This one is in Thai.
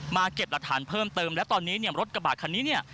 มาเก็บรัฐานเพิ่มเติมและตอนนี้รถกระบาดคนนี้